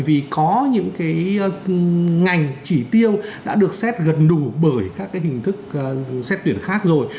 vì có những cái ngành chỉ tiêu đã được xét gần đủ bởi các cái hình thức xét tuyển khác rồi